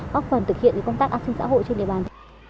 góp phần thực hiện công tác an sinh xã hội trên địa bàn